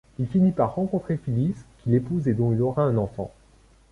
Là, il finit par rencontrer Phyllis qu'il épouse et dont il aura un enfant.